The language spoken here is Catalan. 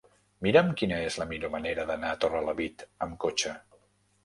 Mira'm quina és la millor manera d'anar a Torrelavit amb cotxe.